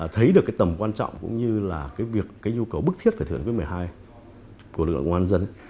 thấy được cái tầm quan trọng cũng như là cái việc cái nhu cầu bức thiết về thưởng quyết một mươi hai của lực lượng công an nhân dân